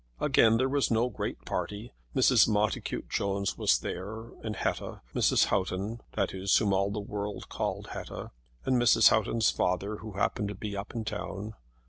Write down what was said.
Again, there was no great party; Mrs. Montacute Jones was there, and Hetta, Miss Houghton, that is, whom all the world called Hetta, and Mrs. Houghton's father, who happened to be up in town.